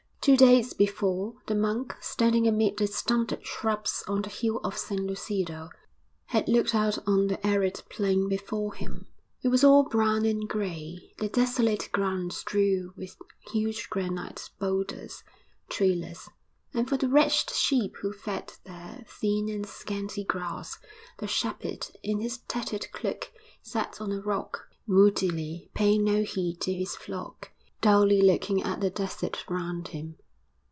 II Two days before, the monk, standing amid the stunted shrubs on the hill of San Lucido, had looked out on the arid plain before him. It was all brown and grey, the desolate ground strewn with huge granite boulders, treeless; and for the wretched sheep who fed there, thin and scanty grass; the shepherd, in his tattered cloak, sat on a rock, moodily, paying no heed to his flock, dully looking at the desert round him.